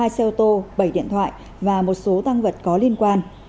hai xe ô tô bảy điện thoại và một số tăng vật có liên quan